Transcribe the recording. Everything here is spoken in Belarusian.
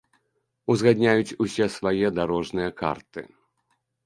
Узгадняюць усе свае дарожныя карты.